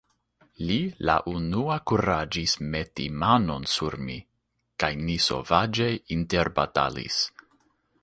Li la unua kuraĝis meti manon sur min, kaj ni sovaĝe interbatalis.